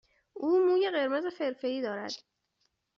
او موی قرمز فرفری دارد.